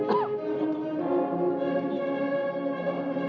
lagu kebangsaan indonesia raya